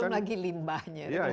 belum lagi limbahnya